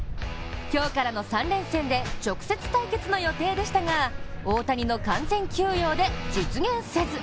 今日からの３連戦で直接対決の予定でしたが大谷の完全休養で、実現せず。